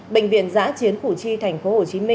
bệnh viện giã chiến phủ chi tp hcm